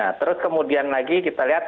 nah terus kemudian lagi kita lihat